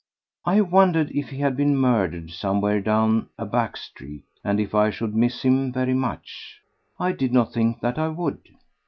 I wondered if he had been murdered somewhere down a back street, and if I should miss him very much. I did not think that I would.